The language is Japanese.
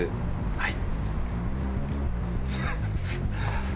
はい。